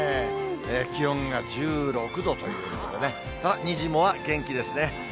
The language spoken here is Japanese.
気温が１６度ということでね、ただにじモは元気ですね。